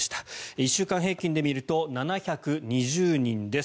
１週間平均で見ると７２０人です。